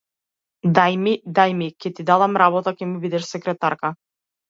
Дај ми, дај ми, ќе ти дадам работа, ќе ми бидеш секретарка!